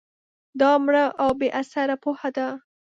دا مړه او بې اثره پوهه ده